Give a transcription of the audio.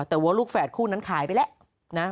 แต่ว่าลูกแฝดคู่นั้นขายไปแล้วนะ